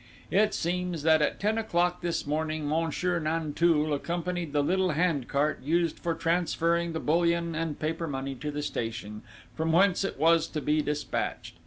"It seems that at ten o'clock this morning, Monsieur Nanteuil accompanied the little hand cart used for transferring the bullion and paper money to the station, from whence it was to be despatched.